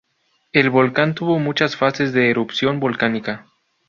El volcán tuvo muchas fases de erupción volcánica.